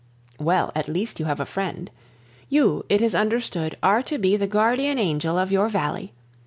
Well, at least you have a friend. You, it is understood, are to be the guardian angel of your valley.